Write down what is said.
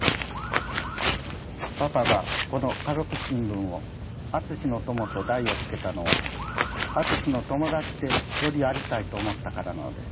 「パパがこの家族新聞を『淳ノ友』と題を付けたのは淳の友達でよりありたいと思ったからなのです」。